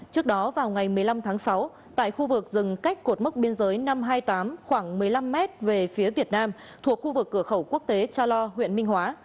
trước đó vào ngày một mươi năm tháng sáu tại khu vực rừng cách cột mốc biên giới năm trăm hai mươi tám khoảng một mươi năm m về phía việt nam thuộc khu vực cửa khẩu quốc tế cha lo huyện minh hóa